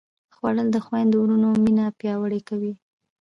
خوړل د خویندو وروڼو مینه پیاوړې کوي